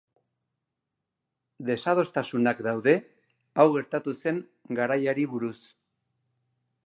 Desadostasunak daude hau gertatu zen garaiari buruz.